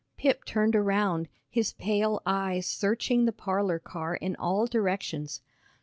Pip turned around, his pale eyes searching the parlor car in all directions.